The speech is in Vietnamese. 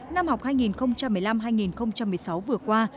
năm học hai nghìn một mươi năm hai nghìn một mươi sáu vừa qua